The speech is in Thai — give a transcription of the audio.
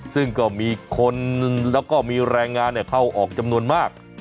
ซึ่งก็มีคนแล้วก็มีแรงงานเข้าออกจำนวนมาก